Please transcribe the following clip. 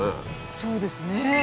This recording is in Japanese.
そうですね。